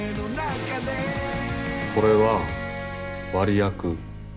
これは割薬。